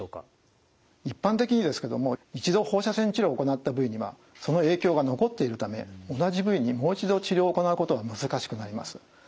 一般的にですけども一度放射線治療を行った部位にはその影響が残っているため同じ部位にもう一度治療を行うことは難しくなります。